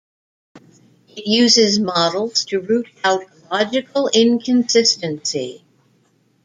It uses models to root out logical inconsistency.